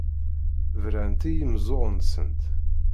Brant i yimeẓẓuɣen-nsent.